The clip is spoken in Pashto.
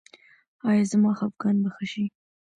ایا زما خپګان به ښه شي؟